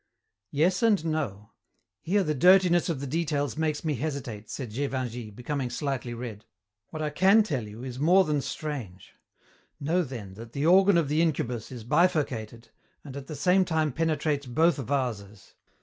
"Yes and no. Here the dirtiness of the details makes me hesitate," said Gévingey, becoming slightly red. "What I can tell you is more than strange. Know, then, that the organ of the incubus is bifurcated and at the same time penetrates both vases.